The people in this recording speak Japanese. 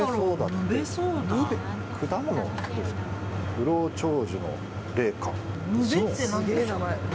不老長寿の霊果。